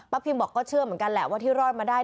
พิมบอกก็เชื่อเหมือนกันแหละว่าที่รอดมาได้